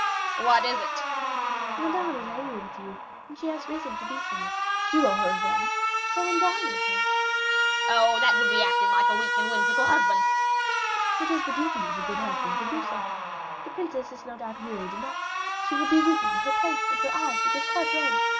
"What is it?" "Madame is angry with you, and she has reason to be so. You owe her revenge; go and dine with her." "Oh! that would be acting like a weak and whimsical husband." "It is the duty of a good husband to do so. The princess is no doubt wearied enough; she will be weeping in her plate, and here eyes will get quite red.